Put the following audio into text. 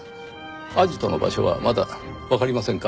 アジトの場所はまだわかりませんか？